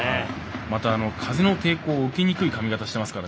また、風の抵抗を受けにくい髪形してますから。